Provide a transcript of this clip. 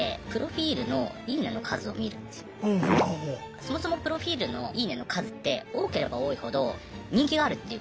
そもそもプロフィールの「いいね」の数って多ければ多いほど人気があるっていうことじゃないすか。